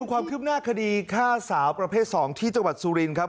ความคืบหน้าคดีฆ่าสาวประเภท๒ที่จังหวัดสุรินครับ